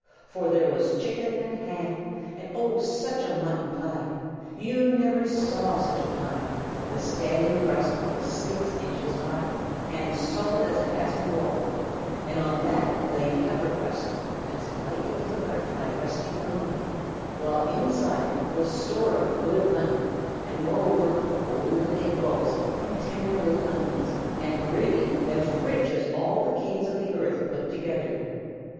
For there was chicken and ham, and, oh, such a mutton pie! You never saw such a pie; the standing crust was six inches high, and solid as a castle wall; and on that lay the upper crust, as lightly as a butterfly resting on a leaf; while inside was store of good mutton, and moreover golden eggballs and tender little onions, and gravy as rich as all the kings of the earth put together.